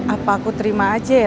apa aku terima aja ya